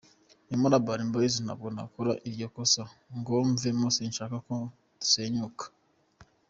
Ndi muri Urban Boyz, ntabwo nakora iryo kosa ngo mvemo, sinshaka ko dusenyuka.